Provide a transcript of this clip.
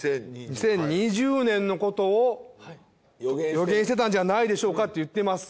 ２０２０年のことを予言してたんじゃないでしょうかっていってます。